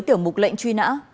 tiểu mục lệnh truy nã